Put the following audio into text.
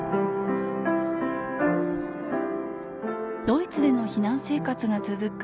ドイツでの避難生活が続く